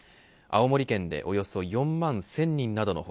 青森県でおよそ４万１０００人などの他